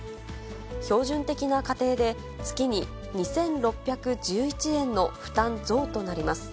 標準的な家庭で月に２６１１円の負担増となります。